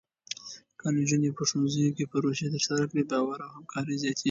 که نجونې په ښوونځي کې پروژې ترسره کړي، باور او همکاري زیاتېږي.